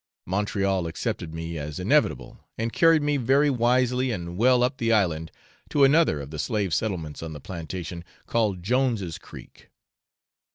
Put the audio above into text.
Montreal accepted me as inevitable, and carried me very wisely and well up the island to another of the slave settlements on the plantation, called Jones's Creek.